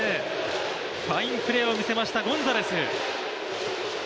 ファインプレーを見せました、ゴンザレス。